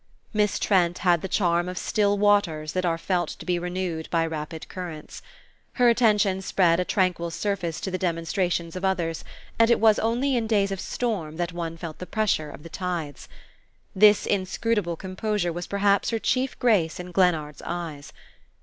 Miss Trent had the charm of still waters that are felt to be renewed by rapid currents. Her attention spread a tranquil surface to the demonstrations of others, and it was only in days of storm that one felt the pressure of the tides. This inscrutable composure was perhaps her chief grace in Glennard's eyes.